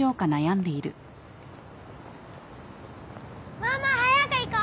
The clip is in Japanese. ・ママ早く行こう！